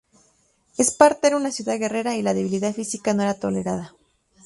Esparta era una ciudad guerrera y la debilidad física no era tolerada.